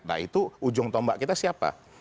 nah itu ujung tombak kita siapa